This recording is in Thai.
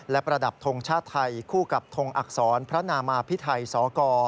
และประดับทงชาติไทยคู่กับทงอักษรพระนามาพิไทยสก